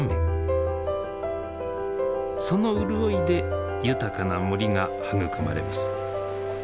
その潤いで豊かな森が育まれます。